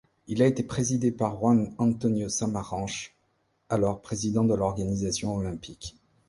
Il a été présidé par Juan Antonio Samaranch, alors président de l'organisation olympique.